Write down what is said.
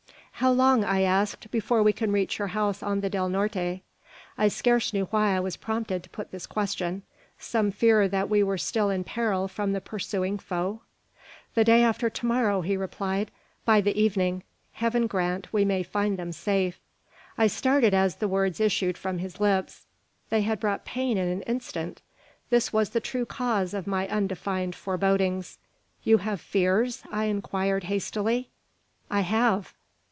"How long," I asked, "before we can reach your house on the Del Norte?" I scarce knew why I was prompted to put this question. Some fear that we were still in peril from the pursuing foe? "The day after to morrow," he replied, "by the evening. Heaven grant we may find them safe!" I started as the words issued from his lips. They had brought pain in an instant. This was the true cause of my undefined forebodings. "You have fears?" I inquired, hastily. "I have."